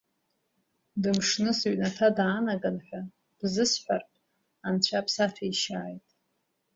Дымшны сыҩнаҭа даанаган ҳәа бзысҳәартә Анцәа бсаҭәаишьааит.